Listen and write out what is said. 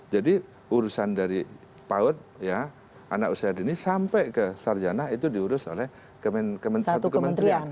jadi urusan dari paud ya anak usia dini sampai ke sarjana itu diurus oleh satu kementerian